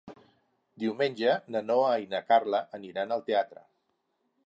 Diumenge na Noa i na Carla aniran al teatre.